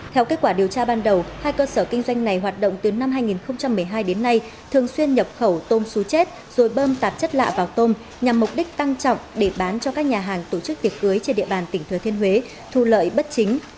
theo kết quả điều tra ban đầu hai cơ sở kinh doanh này hoạt động từ năm hai nghìn một mươi hai đến nay thường xuyên nhập khẩu tôm xú chết rồi bơm tạp chất lạ vào tôm nhằm mục đích tăng trọng để bán cho các nhà hàng tổ chức tiệc cưới trên địa bàn tỉnh thừa thiên huế thu lợi bất chính